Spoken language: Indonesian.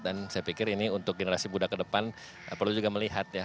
dan saya pikir ini untuk generasi muda ke depan perlu juga melihat ya